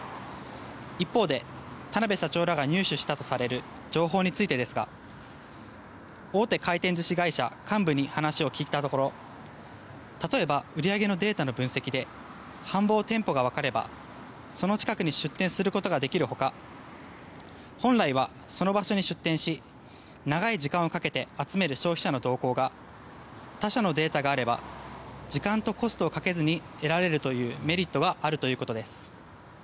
一方で、田邊社長らが入手したとされる情報についてですが大手回転寿司会社幹部に話を聞いたところ例えば売り上げのデータの分析で繁忙店舗がわかればその近くに出店することができるほか本来はその場所に出店し長い時間をかけて集める消費者の動向が他社のデータがあれば時間とコストをかけずに得られるというメリットがあるということです。